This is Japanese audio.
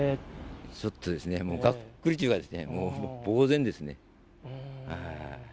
ちょっとがっくりというか、もうぼう然ですね。